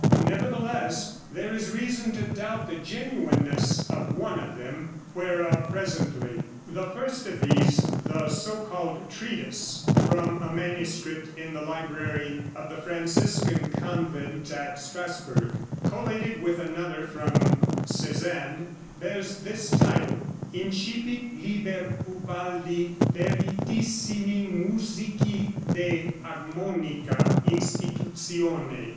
Nevertheless there is reason to doubt the genuineness of one of them whereof presently. The first of these, the so called "Treatise," from a manuscript in the library of the Franciscan convent at Strassburg, collated with another from Cesene, bears this title: "Incipit Liber Ubaldi Peritissimi Musici de Harmonica Institutione."